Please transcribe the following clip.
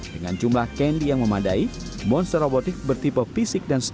dengan jumlah candi yang memadai monster robotik bertipe fisik dan stro